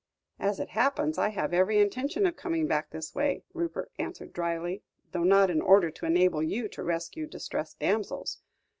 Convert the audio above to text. "As it happens, I have every intention of coming back this way," Rupert answered drily, "though not in order to enable you to rescue distressed damsels.